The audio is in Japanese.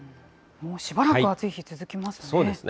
もうしばらく暑い日続きますね。